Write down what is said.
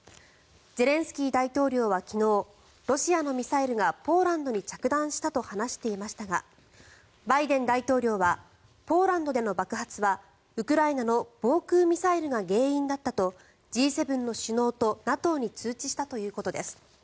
ゼレンスキー大統領は昨日ロシアのミサイルがポーランドに着弾したと話していましたがバイデン大統領はポーランドでの爆発はウクライナの防空ミサイルが原因だったとＧ７の首脳とＮＡＴＯに通知したということです。